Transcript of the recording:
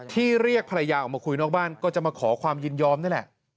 ที่เรียกภรรยาออกมาคุยนอกบ้านก็จะมาขอความยินยอมนี่แหละ